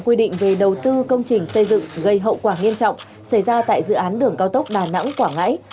quy định về đầu tư công trình xây dựng gây hậu quả nghiêm trọng xảy ra tại dự án đường cao tốc đà nẵng quảng ngãi